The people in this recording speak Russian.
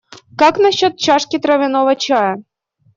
Как насчет чашки травяного чая?